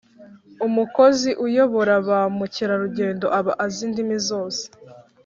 Umukozi uyobora ba mukerarugendo aba azi indimi zose